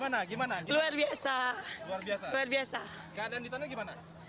keadaan di sana gimana